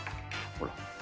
ほら。